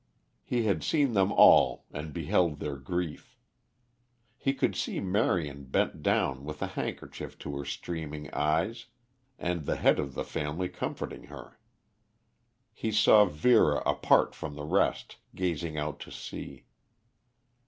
He had seen them all and beheld their grief. He could see Marion bent down with a handkerchief to her streaming eyes and the head of the family comforting her. He saw Vera apart from the rest, gazing out to sea.